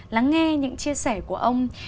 lắng nghe những chia sẻ của ông